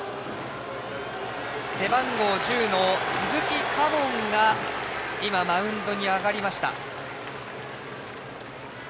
背番号１０の鈴木佳門が今、マウンドに上がりました。